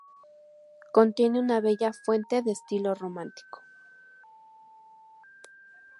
Contiene una bella fuente de estilo romántico.